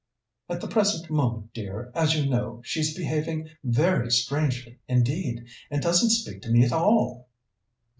At the present moment, dear, as you know, she's behaving very strangely indeed, and doesn't speak to me at all.